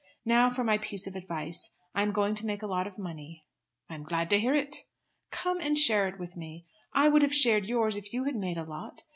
Now for my piece of advice. I am going to make a lot of money." "I am glad to hear it." "Come and share it with me. I would have shared yours if you had made a lot.